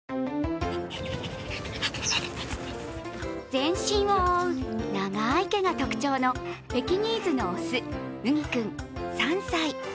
全身を覆う長い毛が特徴のペキニーズの雄・麦君３歳。